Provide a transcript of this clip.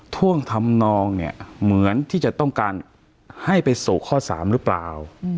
ท่วงทำนองเนี่ยเหมือนที่จะต้องการให้ไปสู่ข้อ๓หรือเปล่า